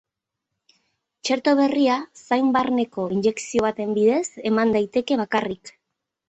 Txerto berria zain barneko injekzio baten bidez eman daiteke bakarrik.